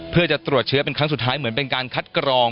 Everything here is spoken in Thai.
เพื่อจะตรวจเชื้อเป็นครั้งสุดท้ายเหมือนเป็นการคัดกรอง